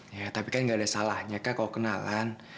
ya tapi kan nggak ada salahnya kah kalau kenalan